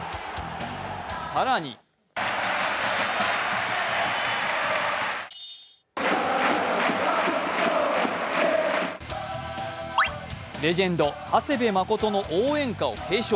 更にレジェンド・長谷部誠の応援歌を継承。